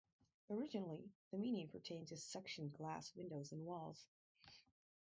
Originally, the meaning pertained to sectioned glass windows in walls.